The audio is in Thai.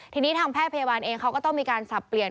ทีนี้ทางแพทย์พยาบาลเองเขาก็ต้องมีการสับเปลี่ยน